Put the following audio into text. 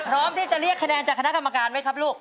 พร้อมที่จะเรียกคะแนนจากคณะกรรมการไหมครับลูก